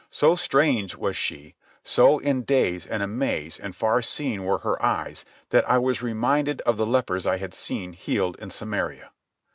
So strange was she, so in daze and amaze and far seeing were her eyes, that I was reminded of the lepers I had seen healed in Samaria.